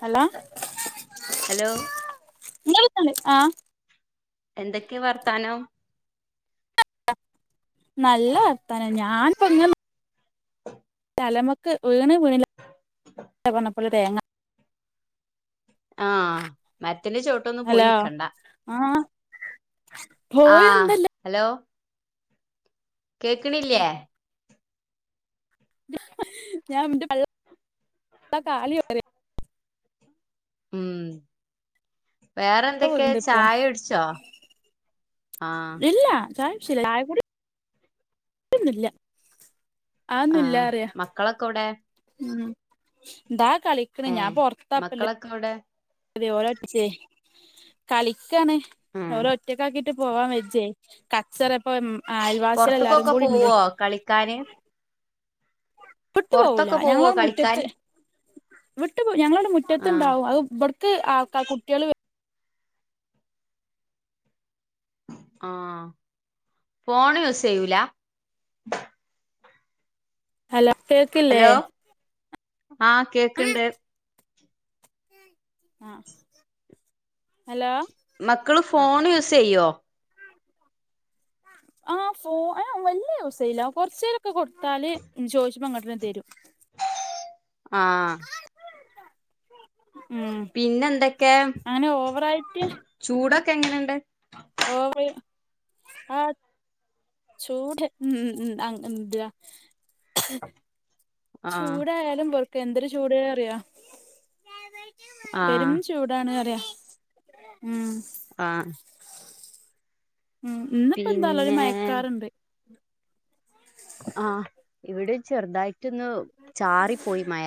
Hello hello [unintelligible] ആഹ.. എന്തൊക്കെയ വർത്താനം? നല്ല വർത്താന ഞാനിപ്പോ- തലമക്ക് വീണ് വീണ പറഞ്ഞ പോല തേങ്ങ- ആഹ മരത്തിന്റെ ചോ- ചോട്ടിൽ ഒന്നും ഹലോ പോയിനിക്കണ്ട, ആഹ് ആ പോയിണ്ട് ഹലോ? കേക്കണില്ലേ? [inaudible] ഉം ഒരക്ക വേറെന്തൊക്കെ വീക്ണ്ട് ഇപ്പൊ ചായ ഉടിച്ചോ? ആഹ്.. ഇല്ല ചായകുടി ഇല്ല. ട്ടുന്നില്ല, ആ ഒന്നും ഇല്ല ആഹ് അറിയ. മക്കളൊക്കെ എവിടെ ഉം ദാ കളിക്കണ്, ഞാൻ ഏഹ് പൊറത്താപ്പാള്ളത്. മക്കളൊക്കെ എവിടെ? ഇതേപോലെ ഒപ്പിച്ചേ, കളിയ്ക്കാണ് ആഹ് അവരെ ഒറ്റയ്ക്കാക്കി- ട്ട് പോവാൻ വച്ചേ, കച്ചറ ഇപ്പം അയിവാസികൾ എല്ലാരും പൊറത്ത്ക്കൊക്കെ കൂടി ഉണ്ട്. പോവോ കളിക്കാന് ട്ടു പോവൂല പൊറത്തൊക്കെ പോവോ ഞങ്ങളത് കളിക്കാൻ മുറ്റത്ത്. വിട്ടു ഞങ്ങളെ ഔടെ ആഹ് മുറ്റത്തുണ്ടാവും. അത് ഇബട്ക്ക് ആക്കാ കുട്ട്യേള് വ ആഹ് ഫോണ് യൂസ് ചെയ്യൂല. ഹലൊ കേക്ക്ല്ലെ ഹലോ ആഹ് കേക്ക്ണ്ട് ആഹ് ഹലോ മക്കള് ആഹ് ഫോണ് യൂസ് ചെയ്യോ ആഹ് ഫോ ഏ വല്യ യൂസെയ്യില്ല. കൊറ്ച്ചേരൊക്കെ കൊടുത്താല് ചോയ്ച്ചുപ്പ ഇങ്ങട്ടെന്നെ തരും. ആഹ് ഉം പിന്നെന്തൊക്കെ അങ്ങനെ ഓവറായിട്ട് ചൂടൊക്കെ എങ്ങനെണ്ട്. ഓവ്റ് [unintelligible] ചൂട് ഉം ഉം [unintelligible] ആഹ് ചൂടായാലും പൊറുക്ക. എന്തൊരു ചൂട് അറ്യാെ. പെരും ആഹ് ചൂടാണ് അറ്യ ഉം. ആഹ് ഉം ഇന്നിപ്പ എന്താറ്ല ഒരു പിന്നെ മയക്കാറ്ണ്ട്. ആഹ് ഇവിടെ ചെറുതായിട്ട് ഇന്ന് ചാറിപ്പോയി മഴ.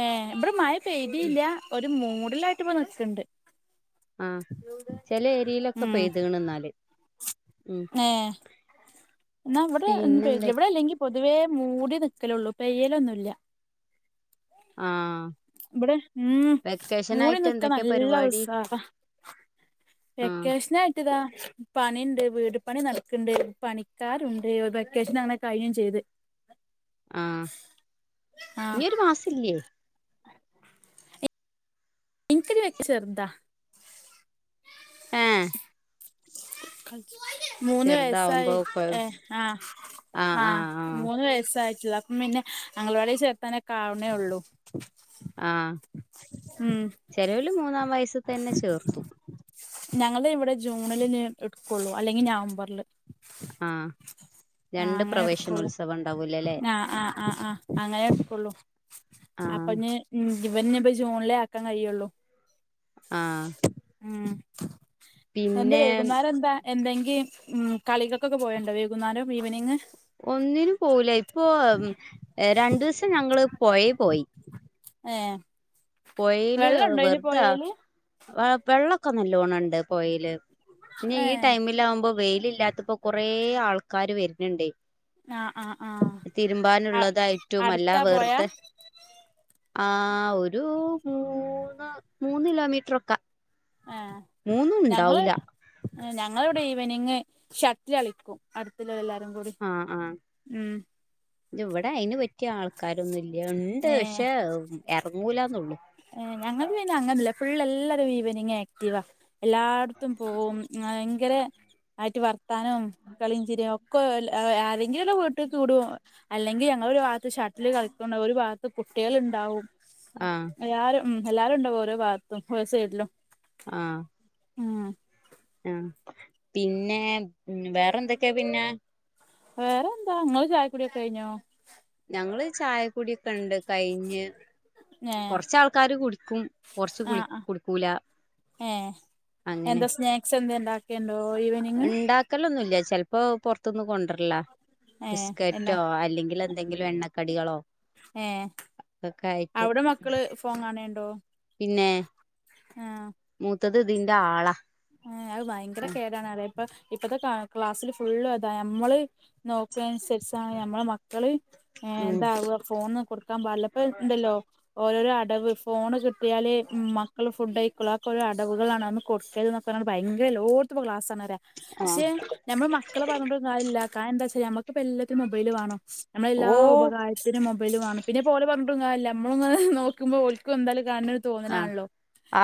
ഏഹ് ഇബ്ടെ മഴ പെയ്തീല്ല. ഒരു മൂടലായിട്ട്പ്പ നിക്ക്ണ്ട്. ആഹ് ചെല ഏരീലൊക്കെ പെയ്ത്ണ് ഇന്നാല്. ഏഹ് ഇന്നാ ഇവിടെ ഒന്നും പിന്നെ പെയ്തില്ല. ഇവിടെ എന്തൊക്കെ അല്ലെങ്കി പൊതുവേ മൂടി നിക്കലൊള്ളു. പെയ്യലൊന്നുല്ല. ആഹ് ഇബെടെ ഉം വെക്കേഷൻ മൂടി ആയിട്ട് നിക്കാ എന്തൊക്കെ നല്ല പരിപാടി ഉസാറ. ആഹ് വെക്കേഷനാ ട്ടിതാ പണിണ്ട്. വീട് പണി നടക്ക്ണ്ട്. പണിക്കാരുണ്ട് വെക്കേഷനാണേ കഴിയേം ചെയ്ത്. ആഹ് ആ ഇഞ് ഒരു മാസില്യേ ഇൻക്ക് [unintelligible] ചെറ്താ ഏഹ് മൂന്ന് വയസായി ചെറുതാവുമ്പോ കൊഴ് ഏ ആഹ്. ആഹ്. മൂന്ന് വയസായിട്ടൊള്ളു. അപ്പ പിന്നെ അംഗൻവാടി ചേർത്താനൊക്കെ ആവ്ണേ ഒള്ളു. ആഹ് ഉം ചെലോല് മൂന്നാം വയസ് തന്നെ ചേർത്തു. ഞങ്ങള് ഇവടെ ജൂണില്ഞ്ഞ് ഇട് ക്കൊള്ളു. അല്ലെങ്കി നവംബറ്ല്. ആഹ് ആഹ് രണ്ട് അങ്ങനെ എടുക്കൊള്ളു. പ്രവേശനോത്സവം ഉണ്ടാവൂലേ ല്ലേ ആഹ് ആഹ് ആഹ് ആഹ്. അങ്ങനെ ഇട്ക്കൊള്ളു. അപ്പൊ ആഹ് ഇനി ഇവന്പ്പോ ജൂണിലേ ആക്കാൻ കഴിയൊള്ളു. ആഹ് ഉം എന്താ പിന്നെ വൈകുന്നേരം എന്താ എന്തെങ്കിം ഉം കളികക്കൊക്കെ പോവെണ്ടോ വൈകുന്നേരം ഈവനിങ്. ഒന്നിനും പോവൂല. ഇപ്പൊ രണ്ടീസം ഞങ്ങള് പൊഴി പോയി. ഏഹ് പൊഴീല് വറ്താ അ വെള്ളൊക്കെ നല്ലോണ്ണം ഇണ്ട് പൊഴീല്. പിന്നെ ഈ ഏ ടൈമിലാകുമ്പൊ വെയിലില്ലാത്തപ്പോ കൊറേ ആൾക്കാര് വര്ന്ണ്ടേ. ആഹ് ആഹ് ആഹ് അ തിരുമ്പാനുള്ളതായിട്ടും അല്ലാ അടുത്താ പോയാ വെർതെ ആഹ് ഒരു മൂന്ന് മൂന്ന് കിലോമീറ്ററൊക്ക. ഏഹ് ഞങ്ങള് എഹ് ഞങ്ങളിവിടെ ഈവനിങ് ഷട്ടിലളിക്കും. അടുത്ത്‌ല്ലോരെല്ലാരും കൂടി ഉം ദ് ഇവടെ അയിന് പറ്റിയ ആൾക്കാരൊന്നൂല്ല്യ. ഉണ്ട് ഏഹ് പക്ഷെ എറങ്ങൂലാന്നൊള്ളൂ. ഏഹ് ഞങ്ങക്ക് പിന്നെ അങ്ങനല്ല ഫുൾ എല്ലാരും ഈവനിങ് ആക്റ്റീവാ എല്ലാട് ത്തും പോവും ഭയങ്കര ആയിറ്റ് വർത്താനും കളിം ചിരിം ഒക്കെ [unintelligible] ആരെങ്കിലും ഓല വീട്ടിക്ക്‌ വിടും. അല്ലെങ്കി ഞങ്ങള് ഒരു ഭാഗത്ത് ഷട്ടില് കളിക്ക്‌ണ്ടാവും ഒരു ഭാഗത്ത് കുട്ട്യേള്ണ്ടാവും. ആഹ് എല്ലാരും ഉം എല്ലാരുംണ്ടാവും ഓരോ ഭാഗത്തും ഓരോ സൈഡിലും ആഹ് ആഹ് ആഹ് പിന്നെ വേറെന്തൊക്കെയാ പിന്നെ? വേറെന്താ ഇങ്ങളെ ചായകുടിയൊക്കെ കഴിഞ്ഞോ? ഞങ്ങള് ചായ കുടിയൊക്കെണ്ട് കഴിഞ് ഞ്. ഏ കൊർച്ച് ആൾക്കാര് കുടിക്കും കൊർച്ച് കുളി കുടിക്കൂല. ഏഹ്. എന്താ സ്നാക്സ് എന്തേം ഇണ്ടാക്കേണ്ടോ ഈവനി ഇണ്ടാക്കലൊന്നുല്ല ചെൽപ്പോ പൊറത്ത്ന്ന് കൊണ്ടർല്ലാ ഏ എന്താ ബിസ്കറ്റോ അല്ലെങ്കിലെ ന്തെങ്കിലും എണ്ണക്കടികളോ. ഏഹ് ഒക്കെ ആയിട്ട് അവ്ടെ മക്കള് ഫോൺ കാണേണ്ടോ? പിന്നെ ആഹ് മൂത്തത് ഇതിന്റെ ആളാ. ഏഹ് അത് ഭയങ്കര കേടാണ് പറ്യാ. ഇപ്പം ഇപ്പത്തെ ക്ലാസ്സില് ഫുള്ളും അതാ നമ്മള് നോക്ക്‌നൻസര്ച് താണ് നമ്മളെ മക്കള് ഏഹ് ഉം ഇതാവാ ഫോണൊന്നും കൊടുക്കാൻ പാടില്ല പ്പോ ഇണ്ടല്ലോ. ഓരോരോ അടവ് ഫോണ് കിട്ട്യാല് ഉം മക്കള് ഫുഡ് കഴിക്കൊള്ളു അതൊക്കെ ഒരടവുകളാണ് അതൊന്നും കൊടുക്കരുത് ന്നൊ ക്കെ പർണാണ്ട് ഭയങ്കര എല്ലോട്ത്തും പ്പൊ ക്ലാസാണറിയാ. ആഹ് പക്ഷെ ഞമ്മള് മക്കളെ പറഞ്ഞിട്ടും കാര്യല്ല കാരണം എന്താച്ചാ ഞമ്മക്കിപ്പം എല്ലത്തിനും മൊബൈല് വേണം നമ്മളെല്ലാ ഓ ഉപകാര് ത്തിനും മൊബൈല് വാണം. പിന്നെ ഇപ്പോലെ പർഞ്ഞിട്ടും കാര്യല്ല നമ്മളും ങ്ങനെ നോക്കുമ്പോ ഓൽക്കും എന്താലും കണ് ആഹ്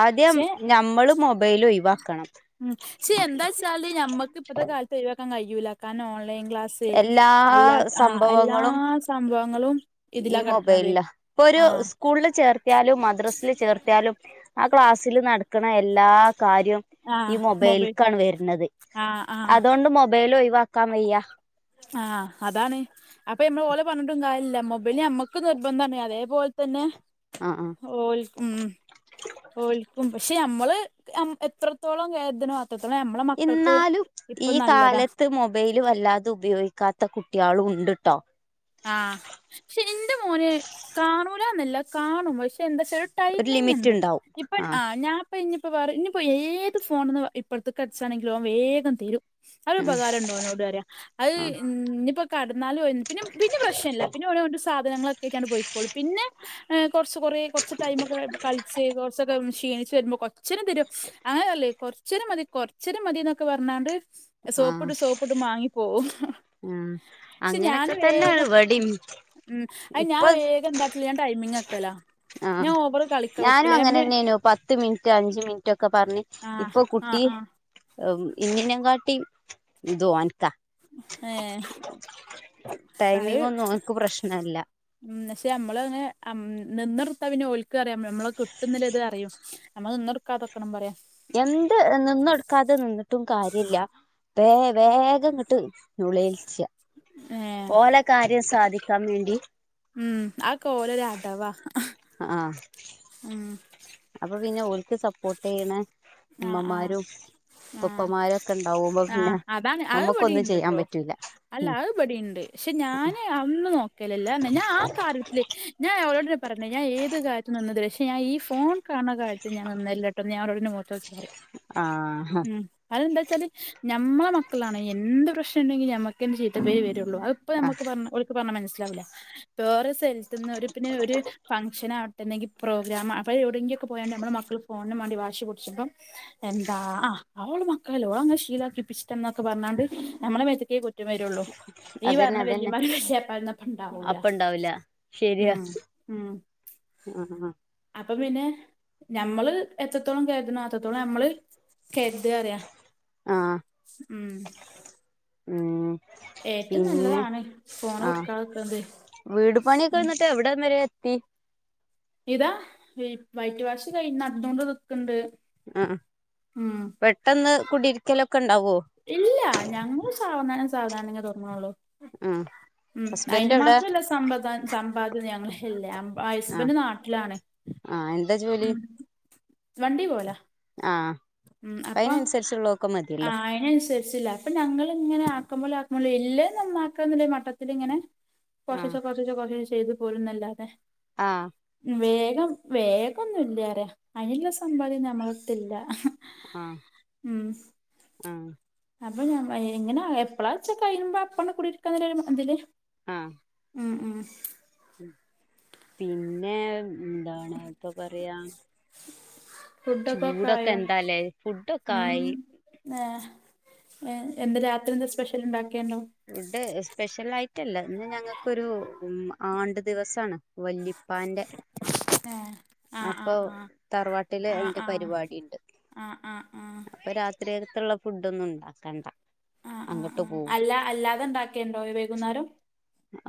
ആദ്യം ഞമ്മള് മൊബൈല് ഒഴിവാക്കണം. ഉം പക്ഷെ എന്താച്ചാല് ഞമ്മക്ക് ഇപ്പത്തെ കാലത്ത് ഒഴിവാക്കാൻ കഴിയൂല്ല കാരണം ഓൺലൈൻ ക്ലാസ് സ് എല്ലാ അല്ലാത് ആഹ് എല്ലാ സംഭവങ്ങളും സംഭവങ്ങളും ഇതിലാ കെട്ക്ക്ണത് ആഹ്. സ്കൂളില് ചേർത്തിയാലും മദ്രസില് ചേർത്തിയാലും ആ ക്ലാസ്സിൽ നടക്ക്‌ണ എല്ലാ കാര്യും ആഹ് ഈ മൊബൈൽ മൊബൈൽക്കാണ് വെര്ണത് ആഹ് ആഹ് അതോണ്ട് മൊബൈല് ഒഴിവാക്കാൻ വയ്യ. ആഹ് അതാണ്. അപ്പ നമ്മള് ഓലെ പറഞ്ഞിട്ടും കാര്യല്ല മൊബൈല് ഞമ്മക്ക് നിർബന്താണ് അതേപോൽ തന്നെ ആ ആ ഓൽ ഉം ഓൽക്കും പക്ഷെ ഞമ്മള് നം എത്രത്തോളം കേര്ത്ണോ അ ത്രത്തോളം ഞമ്മളെ ഇന്നാലും ഈ കാലത്ത് മൊ ബൈൽ വല്ലാതെ ഉപയോഗിക്കാത്ത കുട്ട്യാളും ഉണ്ട്ട്ടോ. ആഹ് പക്ഷെ ഇന്റെ മോന് കാണൂലാന്നല്ല കാണും പക്ഷെ എന്താച്ചാലൊര് ഒരു ലിമിറ്റ് ടൈമിംഗ്ണ്ട്. ഉണ്ടാവും ഇപ്പൻ ആ ആഹ് ഞാ പ്പ ഇഞ്ഞി പ്പൊ വേറെ ഇനിപ്പോ ഏത് ഫോണ്ന്ന് ഇപ്പർത്ത്‌ക്ക്‌ അടിച്ചാണെങ്കിലും ഓൻ വേഗം തെരും. ആ ഒരു ഉപകാരണ്ട് ഓനോട് പറ്യാ. അത് ആ ഇഞ്ഞ്പ്പ കട്ന്നാലു അതന്നെ പിന്നെ പിന്നെ പ്രശ്ന ഇല്ല പിന്നെ ഓന് ഓൻ്റെ സാധനങ്ങളക്കെ ആയിട്ടാണ്ട് പൊയിക്കോളും പിന്നെ ഏഹ് കൊർച്ച് കൊറേ കൊർച്ച് ടൈമ ഒക്കെ കൾച്ച് കൊർച്ചൊക്കെ ക്ഷീണിച്ച് വരുമ്പോൾ കൊ ച്ചേരം തരും അങ്ങനെ അല്ലേ കൊർച്ചരം മതി കൊർച്ചരം മതി ന്നൊക്കെ പറഞ്ഞാണ്ട് സോപ്പ്ട്ട് സോപ്പ്ട്ട് മാങ്ങിപ്പോകും. ആഹ് അങ്ങനക്കെ തന്നെ ഇവടിം ഉം അഹ് ഞാൻ വേഗം ന്താട്ടില്ല ഞാൻ ടൈമിങ് വെക്കല. ആഹ് ഞാനും അങ്ങനന്നെനു പ ത്ത് മിൻറ്റ് അഞ്ച് മിൻറ്റ് ഒക്കെ പർഞ്ഞ് ആഹ് ഇപ്പൊ ആഹ് കുട്ടി ആഹ് ഹേം ഇന്നേനേ കാട്ടിം ഇത് ഓൻക്കാ. ഏഹ് അഹ് ടൈമിംഗ് ഒന്നും ഓൻക്ക് പ്രശ്നല്ല ഉം പക്ഷെ നമ്മള് അങ്ങനെ അം നിന്നൊട്ത്ത പിന്നെ ഓൽക്ക് അറിയാം നമ്മള് കിട്ടുന്നില്ല ഇത അറിയും നമ്മൾ നിന്നൊ ക്കാതൊക്കണം പറ്യ. എന്ത് നിന്നട്ക്കാതെ നിന്നിട്ടും കാര്യല്ല. വേ വേഗങ്ങട്ട് നൊലോൽച്ച. ഏഹ് ഓലെ കാര്യം സാധിക്കാൻ വേണ്ടി ഉം അഹക്കെ ഓലര അടവാ. ആഹ് ഉം അപ്പ പിന്നെ ഓൽക്ക് സപ്പോർട്ട് യ്യ്ണേ ആഹ് ആഹ് ഇമ്മമാരും ആഹ് ഉപ്പന്മാരൊക്കെ ഇണ്ടാവുമ്പോ പിന്നെ ആഹ് അതാണ് അത് നമ്മുക്കൊന്നും ചെയ്യാൻ ഇവിടെയുണ്ട്ട്ടോ പറ്റൂല. അല്ല ഉം അഹ്ബടിം ണ്ട് പക്ഷെ ഞാന് അന്ന് നോക്കലല്ലാ ന്ന ഞാൻ ആഹ് കാര്യത്തില് ഞാൻ അവരോട പറഞ്ഞേ ഞാൻ ഏത് കാര്യത്ത് നിന്നത് പക്ഷേ ഞാ ഈ ഫോൺ കാൻണ കാര്യത്ത് ഞാൻ നിന്നല്ലട്ടോ ഞ ഓരോടന്ന മോത്തോ ആഹ് അതെന്താ വെച്ചാല് ഞമ്മളെ മക്കളാണ് എന്ത് പ്രശ്നം ഇണ്ടെങ്കിൽ ഞമ്മക്കന്നെ ചീത്ത പേര് വരള്ളു അഹ് ഇപ്പൊ ആഹ് നമുക്ക് പർഞ്ഞ് ഓൽക്ക് പർഞ്ഞാ മനസ്സിലാവൂല. വേറെ സ്ഥലത്ത്ന്ന് ഒരു പിന്നെ ഒര് ഫംഗ്ഷൻ ആ എന്തെങ്കിൽ പ്രോഗ്രാം അവൾ എവിടെങ്കിലൊക്കെ പോയാണ്ട് നമ്മൾ മക്കൾ ഫോൺന് മാണ്ടി വാശി പിടിച്ചപ്പം എന്താ അഹ് അവളെ മക്കളല്ലേ ഓളങ്ങനെ ശീലാക്കിപ്പിച്ചിട്ടന്നൊക്കെ പർഞ്ഞാണ്ട് നമ്മളെ മേത്ത്ക്കേ കു റ്റം വരുള്ളൂ നീ അതന്നെ പർഞ്ഞ അതന്നെ വല്യമ്മാര് വല്യാപ്പാരൊന്നും അപ്പം ഇണ്ടാവൂല. അപ്പ ഇണ്ടാവൂല ഉം ഉം അഹ് ആഹ് അപ്പ പിന്നെ ഞമ്മള് എത്രത്തോളം കര്ത്ണോ അത്രത്തോളം ഞമ്മള് കര്താറ്യ ആഹ് ഉം ഉം ഏറ്റവും പിന്നെ നല്ലതാണ് ഫോണ് ആഹ് കൊടുക്കാതിക്കണത് വീട് പണിക്കെ ന്നട്ട് എവിടെം വരെ ത്തി ഇതാ വൈറ്റ് വാശ് കൈ നടന്നോണ്ട് നിക്ക്ണ്ട്. ഉം ഉം ഉം പെട്ടെന്ന് കുടിരിക്കലൊക്കെ ഇണ്ടാവോ? ഇല്ല ഞങ്ങൾ സാവധാനം സാവധാനങ്ങെ തൊട്ങ്ങ്നൊള്ളൂ. ഉം ഉം അയിന് മാത്രല്ല സമ്പത്ത് സമ്പാദ്യത ഞങ്ങൾല്ല ഹസ്ബൻഡ് നാട്ടിലാണ്. ആഹ് എന്താ ജോലി ഉം വണ്ടി പോലാ ആഹ് ഉം അപ്പ ആഹ് അയിനൻസ അപ്പൊ ഞങ്ങള് ഇങ്ങനെ ആക്കുമ്പോലെ ആക്കുമ്പോലെ എല്ല് നന്നാക്ക്ന്നില്ലേ മട്ടത്തിൽ ഇങ്ങനെ ആ കൊർച്ചീച്ചേ കൊർച്ചീച്ചേ കൊർച്ചീച്ചേ ചെയ്ത് പോരുംന്നല്ലാതെ ആഹ് വേഗം വേഗം ഒന്നും ഇല്ല അറ്യ അതിനുള്ള സമ്പാദ്യം ഞമ്മളട്ത്തില്ല. ആഹ് ആഹ് അപ്പൊ ഞാൻ എങ്ങനെ എപ്പളാച്ച കഴിയുമ്പോ അപ്പണ് കുടിയിരിക്കാൻന്ന ഒരു തില് ആഹ് ഉം ഉം പിന്നെ എന്താണ് ഇപ്പൊ പറയാ ഫുഡൊക്കെ ഒക്കെ ചൂടൊക്കെ എന്താല്ലേ ഫുഡൊക്കെ ആയി ഏ ഹ് എന്താ രാത്രി എന്താ സ്പെഷ്യൽ ഉണ്ടാക്കൽണ്ടോ ഫുഡ് സ്പെഷ്യൽ ആയിട്ടല്ല ഇന്ന് ഞങ്ങൾക്കൊരു ആണ്ട് ദിവസാണ് വല്ലുപ്പാന്റെ ഏഹ് ആഹ് അപ്പൊ ആഹ് തറവാട്ടില് ആഹ് അതിന്റെ ആഹ് പരിപാടിണ്ട് ആഹ് ആഹ് ആഹ് ആഹ് അപ്പൊ രാത്രിയകത്തുള്ള ഫുഡ്ഡ് ഒന്നും ഇണ്ടാക്കണ്ട ആഹ് ആഹ് അങ്ങോട്ട് ആഹ് പോവും അല്ല അല്ലാതെ ഉണ്ടാക്കൽണ്ടോ വൈകുന്നേരം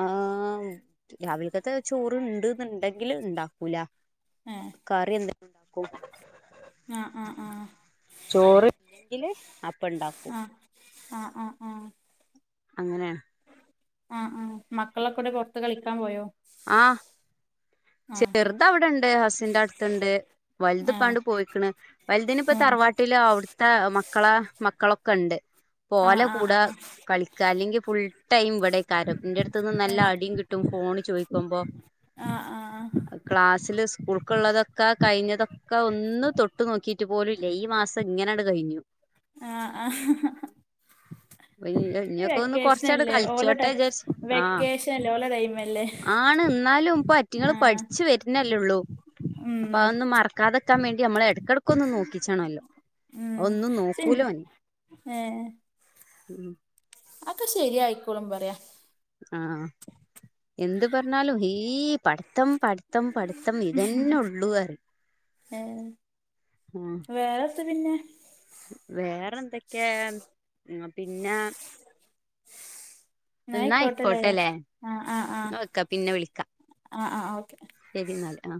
ആ രാവിലക്കത്തെ ചോറ്ണ്ട് എന്നുണ്ടെങ്കില് ഉണ്ടാക്കൂല ഏഹ് കറി എന്തെങ്കി ഉണ്ടാക്കും ആഹ് ആഹ് ആഹ് ചോറ് ഇല്ലെങ്കില് അപ്പണ്ടാക്കും [unintelligible] ആഹ് ആഹ് ആഹ് ആഹ് അങ്ങനെണ് ആ ആ മക്കളെക്കൊടെ പൊറത്ത് കളിക്കാൻ പോയോ ആഹ് ആഹ് ചെറുതവിടെണ്ട് ഹസിന്റെ അടുത്തണ്ട് വലുത് ആഹ് ഇപ്പാണ്ട് പോയിക്ണ് വലുതിന് ഇപ്പ ആഹ് തറവാട്ട് വിട്ടിൽ അവിടുത്തെ മക്കളെ മക്കളൊക്കെ ഇണ്ട് പോ ഓല ആഹ് ആഹ് കൂടെ ആഹ് കളി അല്ലെങ്കിൽ ഫുൾ ടൈം ഇവിടെ കാരം എന്റെടുത്ത്ന്ന് നല്ല അടിയും കിട്ടും ഫോണ് ചോദിക്കുമ്പോ ആഹ് ആഹ് ആഹ് ക്ലാസ്സില് സ്കൂൾക്കള്ളതൊക്കെ കഴിഞ്ഞതൊക്കെ ഒന്ന് തൊട്ട് നോക്കിട്ട് പോലും ല്ല ഈ മാസം ഇങ്ങനെയാണ് കഴിഞ്ഞു ആഹ ആഹ [unintelligible] ഇനിയൊക്കെ ഒന്ന് കൊറച്ചാട് വെക്കേഷനല്ലേ ഓലട കളിച്ചോട്ടെ വിചാരിച്ച് ആഹ് വെക്കേഷൻല്ലേ ഓല ടൈമല്ലേ ആണ് ന്നാലും പറ്റ റ്റങ്ങള് ആഹ് പഠിച്ചു വരുന്നല്ലേള്ളൂ അപ്പ ഉം അതൊന്നും മറക്കാതെക്കാൻ വേണ്ടി നമ്മള എ എടക്കൊന്ന് നോക്കിച്ചണല്ലോ അത് ഉം ഒന്നും ശെ നോക്കൂലോന് ഉം അതക്കെ ശെരി ആയിക്കോളും പറയാ ആഹ എന്ത് പറഞ്ഞാലും ഈ പട പഠത്തം പഠിത്തം പഠിത്തം ഇതന്നെ ഉള്ളൂ അറിം വേറെന്ത പിന്നെ വേറെ എന്തൊക്കയാ പിന്നെ ന്നാ അയിക്കോട്ടല്ലേ ന്നാ വെക്ക പിന്നെ വിളിക്കാം ആഹ ആ ഓക്കെ ശെരിയന്നാൽ ആ